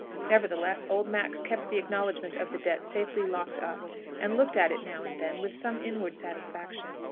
Nevertheless, old Max kept the acknowledgment of the debt safely locked up, and looked at it now and then, with some inward satisfaction.